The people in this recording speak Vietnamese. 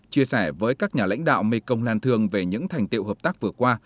chia sẻ với các nhà lãnh đạo mekong lan thương về những thành tiệu hợp tác vừa qua